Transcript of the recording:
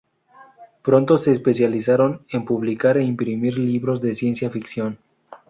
Pronto se especializaron en publicar e imprimir libros de ciencia ficción.